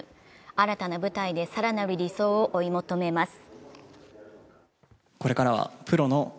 新たな舞台で更なる理想を追い求めます。